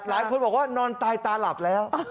หลายคนบอกว่านอนตายตาหลับแล้ว